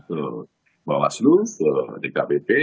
ke bawaslu ke dkpp